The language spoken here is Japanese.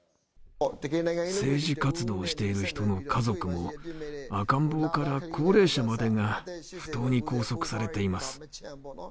政治活動をしている人の家族も赤ん坊から高齢者までが不当に拘束されています。